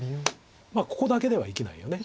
ここだけでは生きないよね。